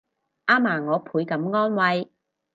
阿嫲我倍感安慰